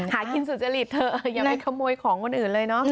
หากินสุจริตเถอะอย่าไปขโมยของคนอื่นเลยเนาะ